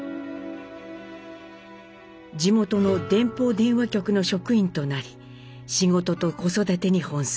地元の電報電話局の職員となり仕事と子育てに奔走。